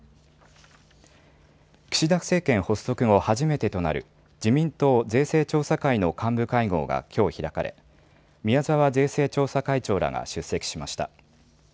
岸田政権発足後初めてとなる自民党税制調査会の幹部会合がきょう開かれ宮沢税制調査会長らが出席しました。